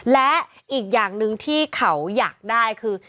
และอีกอย่างหนึ่งที่เขาอยากได้คือ